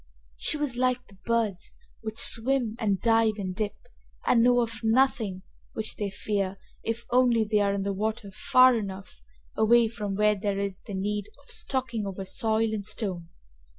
She was like the birds which swim and dive and dip, and know of nothing which they fear if only they are in the water far enough away from where there is the need of stalking over soil and stone.